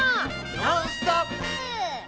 「ノンストップ！」。